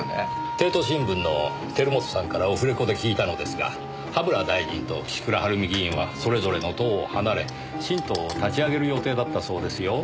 帝都新聞の照本さんからオフレコで聞いたのですが葉村大臣と岸倉治美議員はそれぞれの党を離れ新党を立ち上げる予定だったそうですよ。